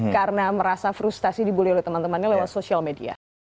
karena merasa frustasi dibully oleh teman temannya lewat social media